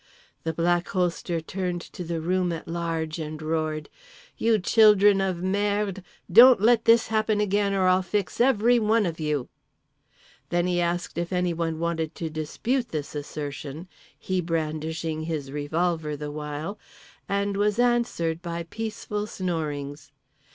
The Black Holster turned to the room at large and roared: "You children of Merde don't let this happen again or I'll fix you every one of you."—Then he asked if anyone wanted to dispute this assertion (he brandishing his revolver the while) and was answered by peaceful snorings.